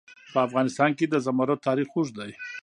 په افغانستان کې د زمرد تاریخ اوږد دی.